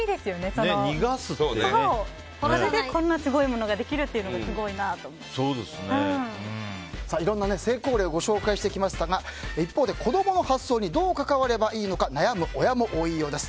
それでこんなすごいものができるっていうのがいろいろな成功例をご紹介してきましたが一方で、子供の発想にどう関わればいいのか悩む親も多いようです。